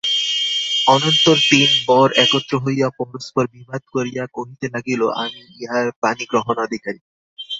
অনন্তর তিন বর একত্র হইয়া পরস্পর বিবাদ করিয়া কহিতে লাগিল আমিই ইহার পাণি গ্রহণাধিকারী।